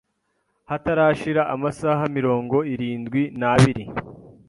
hatarashira amasaha mirongo irindwi nabiri